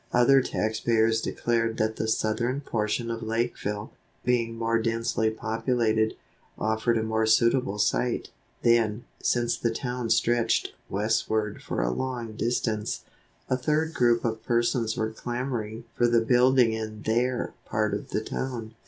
Other tax payers declared that the southern portion of Lakeville, being more densely populated, offered a more suitable site. Then, since the town stretched westward for a long distance, a third group of persons were clamoring for the building in their part of the town.